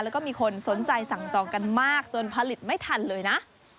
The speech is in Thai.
แล้วก็มีคนสนใจสั่งจองกันมากจนผลิตไม่ทันเลยนะ